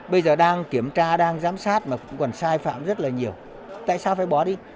bây giờ đang kiểm tra đang giám sát mà cũng còn sai phạm rất là nhiều tại sao phải bỏ đi